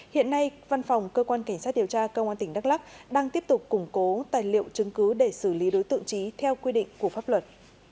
hiện nay văn phòng cơ quan cảnh sát điều tra công an tỉnh đắk lắc đang tiếp tục củng cố tài liệu chứng cứ để xử lý đối tượng trí theo quy định của pháp luật